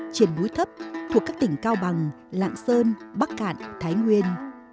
trên núi thấp thuộc các tỉnh cao bằng lạng sơn bắc cạn thái nguyên